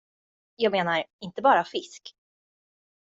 Jag menar, inte bara fisk.